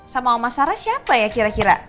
sama mas sarah siapa ya kira kira